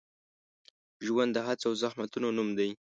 ژوند د هڅو او زحمتونو نوم دی.